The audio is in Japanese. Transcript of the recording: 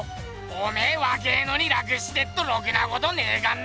おめえわけえのに楽してっとろくなことねえかんな！